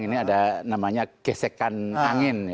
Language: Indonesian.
ini ada namanya gesekan angin